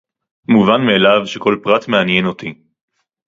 מובן מאליו שכל פרט מעניין אותי.